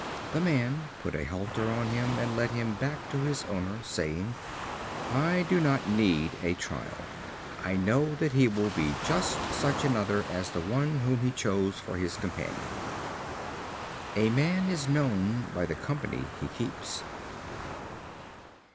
The man put a halter on him, and led him back to his owner, saying: "I do not need a trial; I know that he will be just such another as the one whom he chose for his companion." A man is known by the company he keeps.